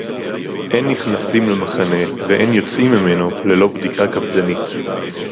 אֵין נִכְנָסִים לַמַּחֲנֶה וְאֵין יוֹצְאִים מִמֶּנּוּ לְלֹא בְּדִיקָה קַפְּדָנִית.